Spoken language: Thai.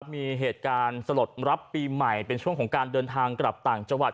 มีเหตุการณ์สลดรับปีใหม่เป็นช่วงของการเดินทางกลับต่างจังหวัด